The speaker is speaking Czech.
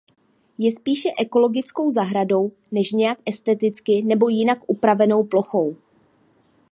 Je spíše ekologickou zahradou než nějak esteticky nebo jinak upravenou plochou.